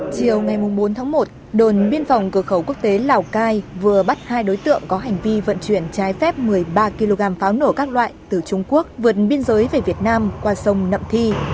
chiều ngày bốn tháng một đồn biên phòng cửa khẩu quốc tế lào cai vừa bắt hai đối tượng có hành vi vận chuyển trái phép một mươi ba kg pháo nổ các loại từ trung quốc vượt biên giới về việt nam qua sông nậm thi